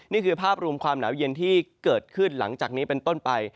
นี่คือภาพรวมความหนาวเย็นที่เกิดขึ้นหลังจากนี้เป็นต้นไป